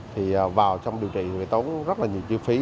thì vào trong điều trị phải tốn rất là nhiều chi phí